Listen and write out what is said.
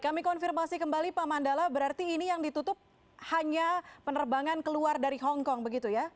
kami konfirmasi kembali pak mandala berarti ini yang ditutup hanya penerbangan keluar dari hongkong begitu ya